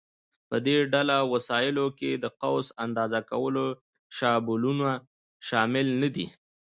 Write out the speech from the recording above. په دې ډله وسایلو کې د قوس اندازه کولو شابلونونه شامل نه دي.